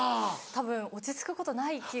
たぶん落ち着くことない気が。